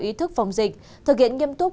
ý thức phòng dịch thực hiện nghiêm túc